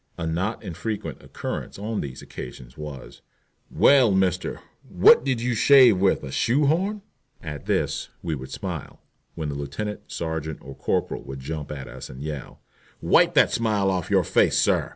A not infrequent occurrence on these occasions was: "Well, mister, what did you shave with a shoehorn?" At this we would smile, when the lieutenant, sergeant, or corporal would jump at us and yell: "Wipe that smile off your face, sir!